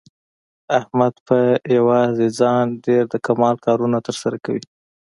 احمد په یووازې ځان ډېر د کمال کارونه تر سره کوي.